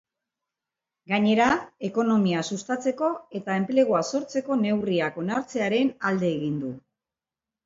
Gainera, ekonomia sustatzeko eta enplegua sortzeko neurriak onartzearen alede egin du.